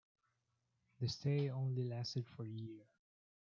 The stay only lasted for year.